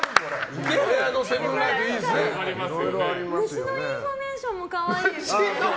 虫のインフォメーションも可愛いですね。